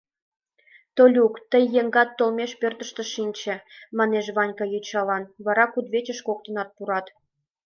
— Толюк, тый еҥгат толмеш пӧртыштӧ шинче, — манеш Ванька йочалан, вара кудывечыш коктынат пурат.